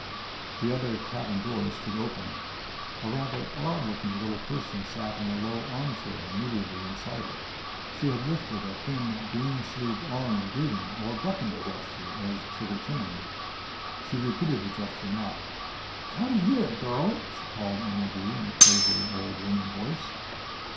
The other cabin door stood open. A rather odd looking little person sat in a low armchair immediately inside it. She had lifted a thin, green sleeved arm in a greeting or beckoning gesture as Trigger turned. She repeated the gesture now. "Come here, girl!" she called amiably in a quavery old woman voice.